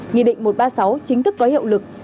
nghị định một trăm ba mươi sáu chính thức có hiệu lực